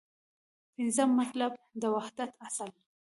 پنځم مطلب : د وحدت اصل